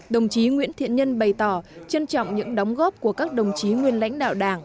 đồng chí nguyễn thiện nhân bày tỏ trân trọng những đóng góp của các đồng chí nguyên lãnh đạo đảng